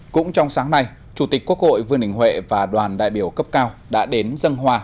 cũng trong sáng nay chủ tịch quốc hội vương đình huệ và đoàn đại biểu cấp cao đã đến dân hòa